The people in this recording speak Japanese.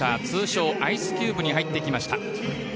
通称・アイスキューブに入ってきました。